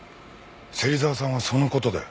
芹沢さんはその事で？